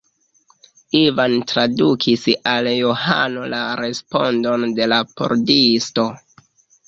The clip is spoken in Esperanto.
Ivan tradukis al Johano la respondon de la pordisto.